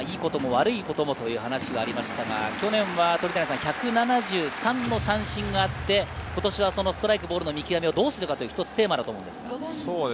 いいことも悪いこともという話がありましたが、去年は１７３の三振があって、今年はストライク、ボールの見極めをどうするのかというのがテーマだと思います。